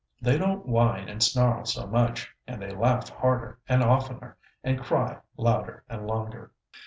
They don't whine and snarl so much, and they laugh harder and oftener, and cry louder and longer.